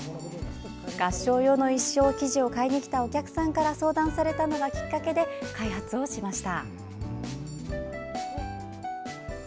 合唱用の衣装生地を買いに来たお客さんから相談されたのがきっかけで開発をしました。